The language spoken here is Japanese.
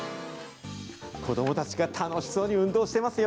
子どもたちが楽しそうに運動してますよ。